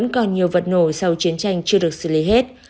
còn nhiều vật nổ sau chiến tranh chưa được xử lý hết